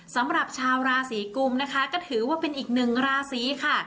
สำหรับชาวราศีกุมนะคะก็ถือว่าเป็นอีกหนึ่งราศีค่ะ